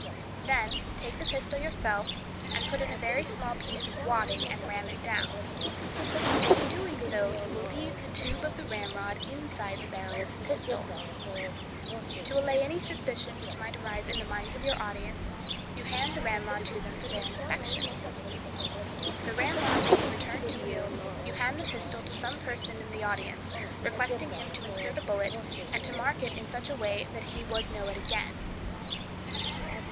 Then take the pistol yourself, and put in a very small piece of wadding, and ram it down; and in doing so you will leave the tube of the ramrod inside the barrel of the pistol. To allay any suspicion which might arise in the minds of your audience, you hand the ramrod to them for their inspection. The ramrod being returned to you, you hand the pistol to some person in the audience, requesting him to insert a bullet, and to mark it in such a way that he would know it again.